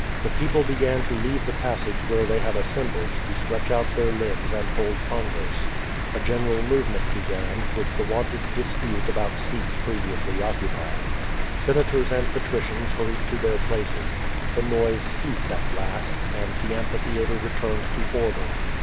The people began to leave the passage where they had assembled to stretch out their limbs and hold converse. A general movement began, with the wonted dispute about seats previously occupied. Senators and patricians hurried to their places. The noise ceased at last, and the amphi theatre returned to order.